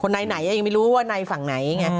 นายไหนยังไม่รู้ว่าในฝั่งไหนไง